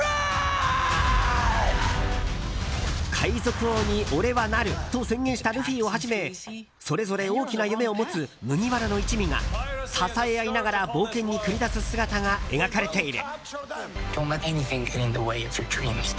海賊王に俺はなると宣言したルフィをはじめそれぞれ大きな夢を持つ麦わらの一味が支え合いながら冒険に繰り出す姿が描かれている。